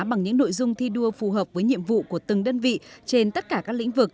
bằng những nội dung thi đua phù hợp với nhiệm vụ của từng đơn vị trên tất cả các lĩnh vực